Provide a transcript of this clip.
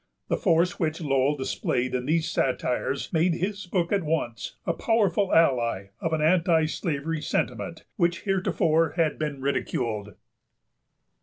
The force which Lowell displayed in these satires made his book at once a powerful ally of an anti slavery sentiment, which heretofore had been ridiculed.